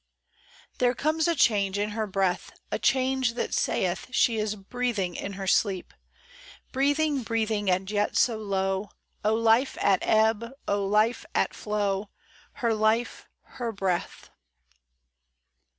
THERE comes a change in her breath, A change that saith She is breathing in her sleep. Breathing, breathing and yet so low : O life at ebb, O life at flow. Her life, her breath